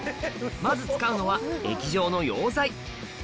まず使うのは液状の溶剤